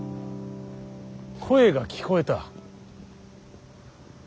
声が聞こえた。